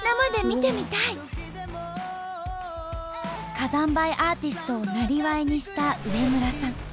火山灰アーティストを生業にした植村さん。